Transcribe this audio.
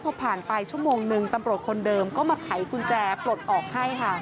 พอผ่านไปชั่วโมงนึงตำรวจคนเดิมก็มาไขกุญแจปลดออกให้ค่ะ